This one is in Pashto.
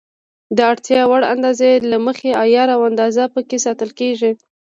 د اړتیا وړ اندازې له مخې عیار او اندازه پکې ساتل کېږي.